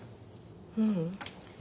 ううん。